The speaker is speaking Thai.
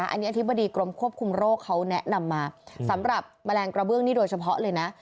อันนี้อธิบดีกรมควบคุมโรคเขาแนะนำมาสำหรับแมลงกระเบื้องนี่โดยเฉพาะเลยนะ